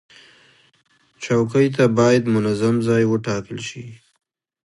چوکۍ ته باید منظم ځای وټاکل شي.